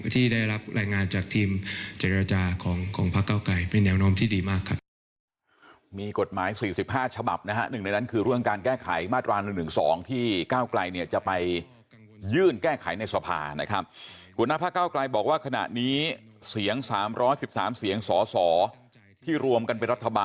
ที่ได้รับรายงานจากทีมเจรจาของพักเก้าไกรเป็นแนวโน้มที่ดีมากครับ